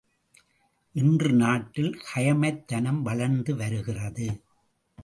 இன்று நாட்டில் கயமைத் தனம் வளர்ந்து வருகிறது.